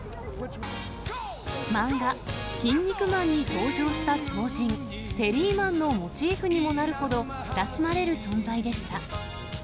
漫画、キン肉マンに登場した超人、テリーマンのモチーフにもなるほど親しまれる存在でした。